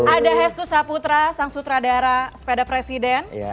ada hestu saputra sang sutradara sepeda presiden